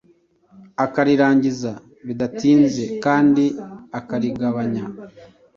akarirangiza bidatinze, kandi akarigabanya.